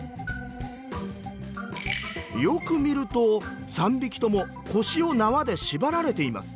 よく見ると３匹とも腰を縄で縛られています。